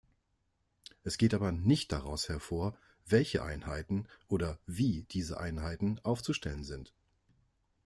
Es geht aber nicht daraus hervor, welche Einheiten oder wie diese Einheiten aufzustellen sind.